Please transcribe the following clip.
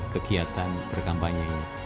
kegiatan berkampanye ini